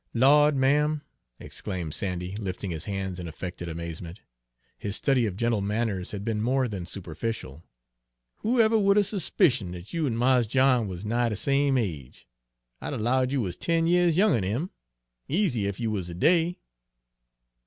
"Lawd, ma'am!" exclaimed Sandy, lifting his hands in affected amazement, his study of gentle manners had been more than superficial, "whoever would 'a' s'picion' dat you an' Mars John wuz nigh de same age? I'd 'a' 'lowed you wuz ten years younger 'n him, easy, ef you wuz a day!"